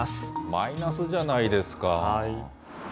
マイナスじゃないですか。